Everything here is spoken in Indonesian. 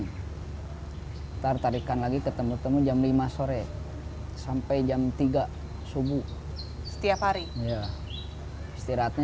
hai tartarikan lagi ketemu temu jam lima sore sampai jam tiga subuh setiap hari istirahatnya